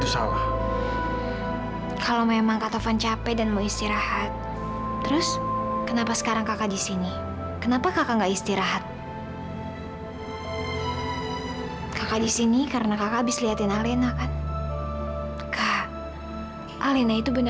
sampai jumpa di video selanjutnya